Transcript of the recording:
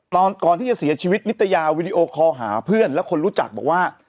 ก่อนที่จะเสียชีวิตนิตยาวีดีโอคอลหาเพื่อนและคนรู้จักบอกว่า